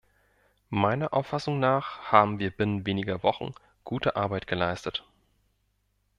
Meiner Auffassung nach haben wir binnen weniger Wochen gute Arbeit geleistet.